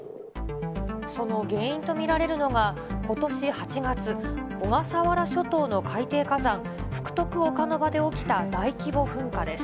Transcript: その原因と見られるのが、ことし８月、小笠原諸島の海底火山、福徳岡ノ場で起きた大規模噴火です。